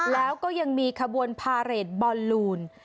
แล้วก็ยังมีขบวนพาเรทบอลลูน